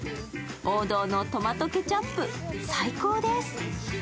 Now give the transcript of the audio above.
王道のトマトケチャップ、最高です